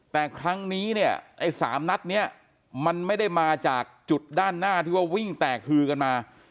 แต่ครั้งนี้เนี่ยไอ้สามนัดเนี่ยมันไม่ได้มาจากจุดด้านหน้าที่ว่าวิ่งแตกฮือกันมา